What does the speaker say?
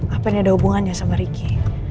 apa ini ada hubungannya sama ricky